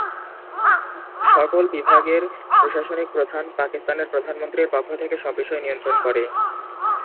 সকল বিভাগের প্রশাসনিক প্রধান, পাকিস্তানের প্রধানমন্ত্রীর পক্ষ থেকে সব বিষয় নিয়ন্ত্রণ করে।